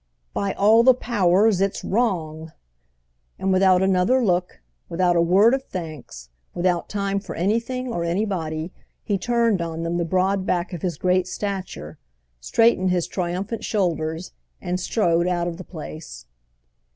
"By all the powers—it's wrong!" And without another look, without a word of thanks, without time for anything or anybody, he turned on them the broad back of his great stature, straightened his triumphant shoulders, and strode out of the place.